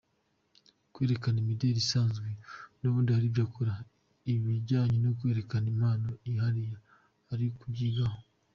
Kwerekana imideli asanzwe n’ubundi aribyo akora; ikijyanye no kwerekana impano yihariye, ari kubyigaho.